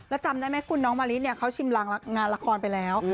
แล้วจำได้ไหมคุณน้องมะลิเนี่ยเขาชิมงานละครไปแล้ว